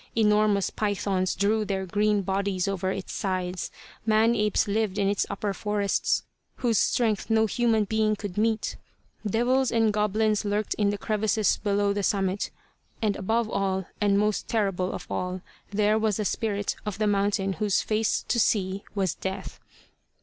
Enormous pythons drew their green bodies over its sides. Man apes lived in its upper forests whose strength no human being could meet. Devils and goblins lurked in the crevasses below the summit, and above all and most terrible of all, there was a spirit of the mountain whose face to see was death.